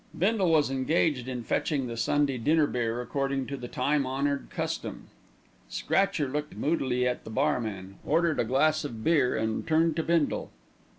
Bindle was engaged in fetching the Sunday dinner beer according to the time honoured custom. Scratcher looked moodily at the barman, ordered a glass of beer and turned to Bindle.